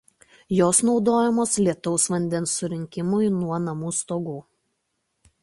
Jos naudojamos lietaus vandens surinkimui nuo namų stogų.